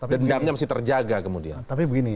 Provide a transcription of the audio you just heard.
ini masih terjaga kemudian